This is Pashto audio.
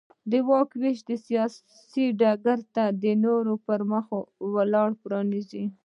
د واک وېش د سیاست ډګر ته د نورو پرمخ لار پرانېزي.